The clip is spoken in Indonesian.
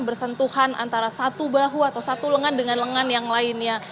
bersentuhan antara satu bahu atau satu lengan dengan lengan yang lainnya